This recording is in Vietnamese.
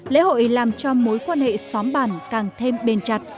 lễ hội làm cho mối quan hệ xóm bản càng thêm bền chặt